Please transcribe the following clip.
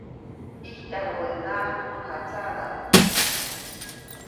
ʼIjtyajubädenaʼajk mäjatsaʼdaʼm.